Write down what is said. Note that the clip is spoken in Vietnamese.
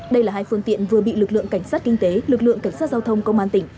đây là hai phương tiện vừa bị lực lượng cảnh sát kinh tế lực lượng cảnh sát giao thông công an tỉnh